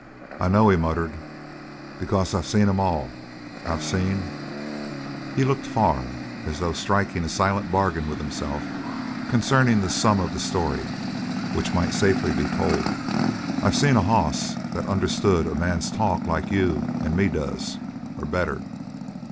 "I know," he muttered, "because I've seen 'em all. I've seen" he looked far, as though striking a silent bargain with himself concerning the sum of the story which might safely be told "I've seen a hoss that understood a man's talk like you and me does or better.